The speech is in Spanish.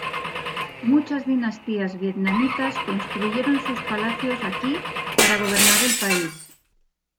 Muchas dinastías vietnamitas construyeron sus palacios aquí para gobernar el país.